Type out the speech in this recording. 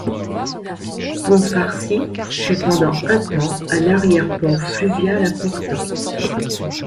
Pont-Farcy fut pendant un temps un arrière-port fluvial important.